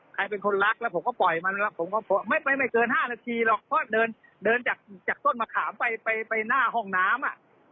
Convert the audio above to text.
ใครเป็นคนรักแล้วผมก็ปล่อยมันแล้วผมก็ไม่ไปไม่เกิน๕นาทีหรอกเพราะเดินจากต้นมะขามไปหน้าห้องน้ำ